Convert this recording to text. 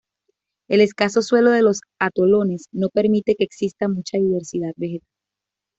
El escaso suelo de los atolones no permite que exista mucha diversidad vegetal.